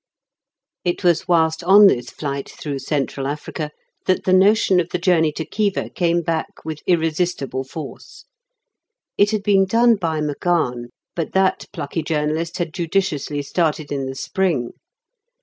It was whilst on this flight through Central Africa that the notion of the journey to Khiva came back with irresistible force. It had been done by MacGahan, but that plucky journalist had judiciously started in the spring.